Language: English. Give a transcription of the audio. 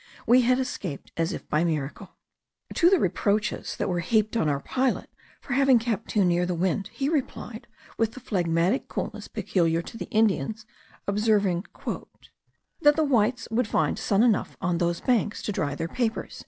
We had escaped as if by miracle. To the reproaches that were heaped on our pilot for having kept too near the wind, he replied with the phlegmatic coolness peculiar to the Indians, observing "that the whites would find sun enough on those banks to dry their papers."